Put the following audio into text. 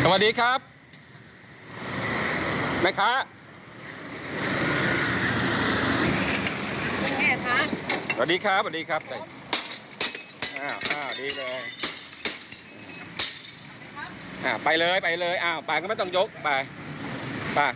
เฮ้ยน้องเอาแต่ล่มไปเอาแต่ล่มไปเอาแต่ล่มไปนักเลงน่ะดีมาก